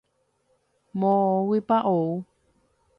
Moõguipa ou.